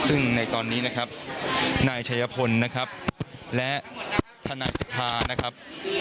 ซึ่งในตอนนี้นะครับนายชัยพลนะครับและทนายสิทธานะครับ